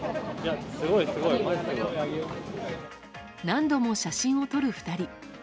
何度も写真を撮る２人。